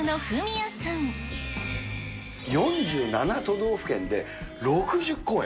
４７都道府県で、６０公演。